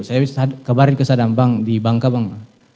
saya kebarin ke saddam bang di bangka bang